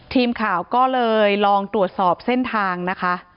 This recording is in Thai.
ทีมข่าวก็เลยลองตรวจสอบเส้นทางนะคะ